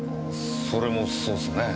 それもそうっすね。